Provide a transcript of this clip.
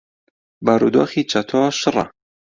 بارودۆخی چەتۆ شڕە.